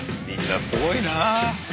みんなすごいな。